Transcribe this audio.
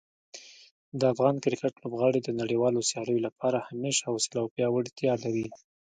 د افغان کرکټ لوبغاړي د نړیوالو سیالیو لپاره همیش حوصله او پیاوړتیا لري.